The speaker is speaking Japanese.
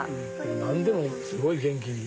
何でもすごい元気に。